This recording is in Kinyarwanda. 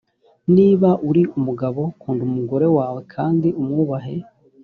niba uri umugabo kunda umugore wawe kandi umwubahe